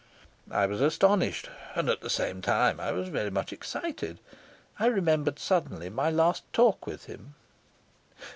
I was astonished, and at the same time I was very much excited. I remembered suddenly my last talk with him.